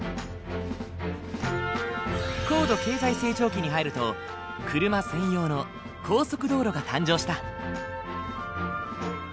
高度経済成長期に入ると車専用の高速道路が誕生した。